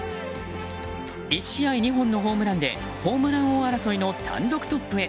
１試合２本のホームランでホームラン王争いの単独トップへ。